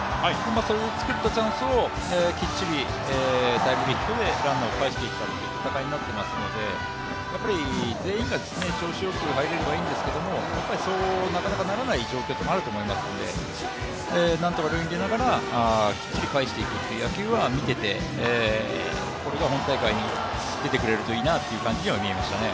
それでつくったチャンスをきっちりタイムリーヒットでランナーを返していったという戦いになっていますので、やっぱり全員が調子よく入れればいいんですけれどもそうはなかなかならない状況というのもあると思いますので、なんとか塁に出ながらきっちり返していくという野球は見ていて、これが本大会に出てくれるといいなと見ていましたね。